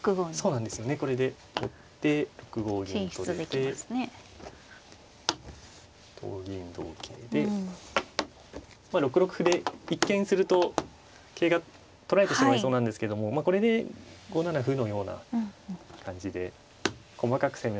そうなんですよねこれで打って６五銀と出て同銀同桂でまあ６六歩で一見すると桂が取られてしまいそうなんですけどもこれで５七歩のような感じで細かく攻めをつなげていって。